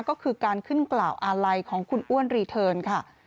ก็คือการขึ้นกล่าวอาลัยของคุณอ้วนรีเทิร์นค่ะ